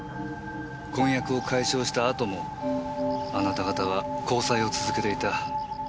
婚約を解消した後もあなた方は交際を続けていた。